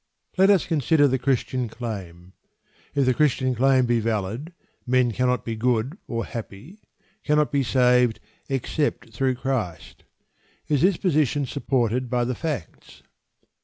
Let us consider the Christian claim. If the Christian claim be valid, men cannot be good, nor happy, cannot be saved, except through Christ. Is this position supported by the facts?